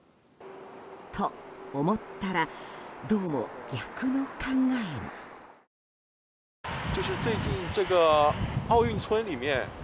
と、思ったらどうも逆の考えが。